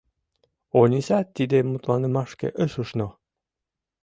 Ониса тиде мутланымашке ыш ушно.